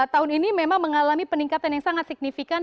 tahun ini memang mengalami peningkatan yang sangat signifikan